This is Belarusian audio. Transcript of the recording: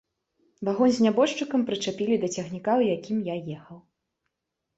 Вагон з нябожчыкам прычапілі да цягніка, у якім я ехаў.